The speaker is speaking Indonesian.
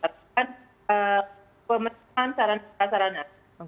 haruskan pemerintahan sarana sarana